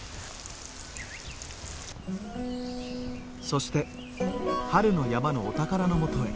そして春の山のお宝のもとへ。